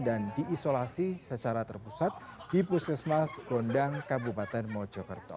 diisolasi secara terpusat di puskesmas gondang kabupaten mojokerto